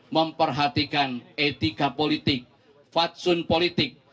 memperhatikan demokrasi yang lebih baik